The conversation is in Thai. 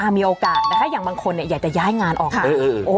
มีโอกาสนะคะอย่างบางคนอยากจะย้ายงานออกค่ะ